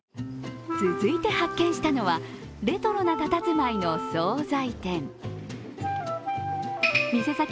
続いて発見したのはレトロなたたずまいの総菜店。